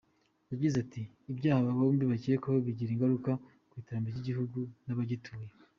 Yagize ati, "Ibyaha aba bombi bakekwaho bigira ingaruka ku iterambere ry’igihugu n’abagituye.